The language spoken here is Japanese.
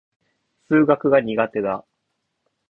数学が苦手だ。